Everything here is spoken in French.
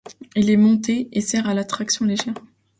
Il est monté et sert à la traction légère.